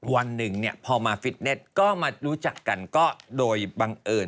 วันหนึ่งพอมาฟิตเน็ตก็มารู้จักกันก็โดยบังเอิญ